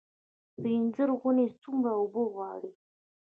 د انځر ونې څومره اوبه غواړي؟